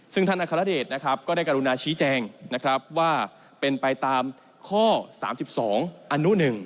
ซึ่งท่านอัครเดชนะครับก็ได้กรุณาชี้แจงนะครับว่าเป็นไปตามข้อ๓๒อนุ๑